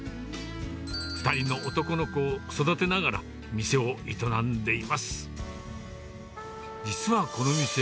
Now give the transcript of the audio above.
２人の男の子を育てながら、店を営んでいます。